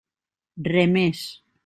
Re més.